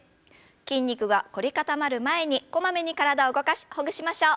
筋肉が凝り固まる前にこまめに体を動かしほぐしましょう。